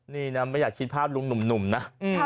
นี่นะไม่อยากคิดภาพลุงหนุ่มนะ